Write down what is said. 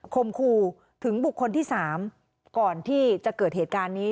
คมครูถึงบุคคลที่๓ก่อนที่จะเกิดเหตุการณ์นี้